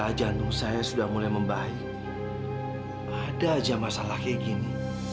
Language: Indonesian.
darah jantung saya sudah mulai membaik ada aja masalah kayak gini